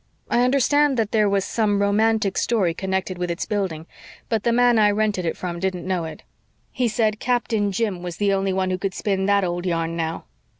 I understand that there was some romantic story connected with its building, but the man I rented it from didn't know it." "He said Captain Jim was the only one who could spin that old yarn now."